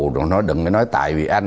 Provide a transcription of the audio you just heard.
rồi nó đừng nói tại vì anh